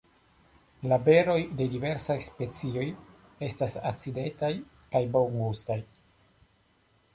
La beroj de diversaj specioj estas acidetaj kaj bongustaj.